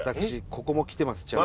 ここも来てます